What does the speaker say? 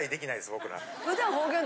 僕ら。